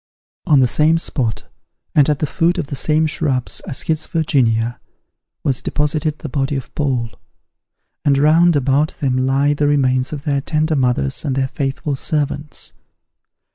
On the same spot, and at the foot of the same shrubs as his Virginia, was deposited the body of Paul; and round about them lie the remains of their tender mothers and their faithful servants.